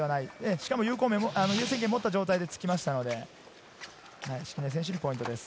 しかも優先権を持った状態で突きましたので、敷根選手にポイントです。